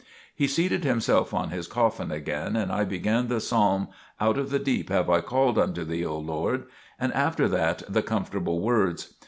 He seated himself on his coffin again and I began the Psalm: "Out of the deep have I called unto Thee, O Lord," and after that the "Comfortable words."